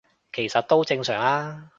其實都正常吖